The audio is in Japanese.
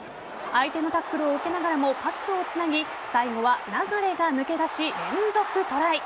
相手のタックルを受けながらもパスをつなぎ最後は流が抜け出し連続トライ。